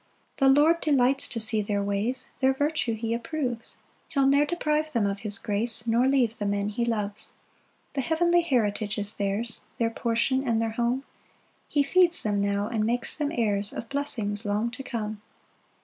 2 The Lord delights to see their ways, Their virtue he approves; He'll ne'er deprive them of his grace, Nor leave the men he loves. 3 The heavenly heritage is theirs, Their portion and their home; He feeds them now, and makes them heirs Of blessings long to come.